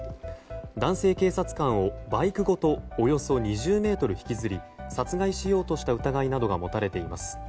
男性警察官をバイクごとおよそ２０ｍ引きずり殺害しようとした疑いなどが持たれています。